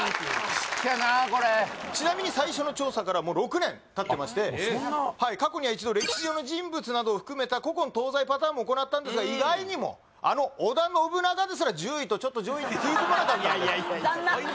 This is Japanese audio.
好きやなこれちなみに最初の調査からもう６年たってましてもうそんな過去には一度歴史上の人物などを含めた古今東西パターンも行ったんですが意外にもあの織田信長ですら１０位と上位に食い込まなかったんでいやいやいや